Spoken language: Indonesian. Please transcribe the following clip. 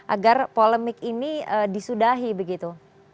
agar polemik ini disudahi begitu